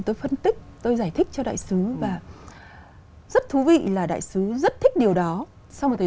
tôi phân tích tôi giải thích cho đại sứ và rất thú vị là đại sứ rất thích điều đó sau một thời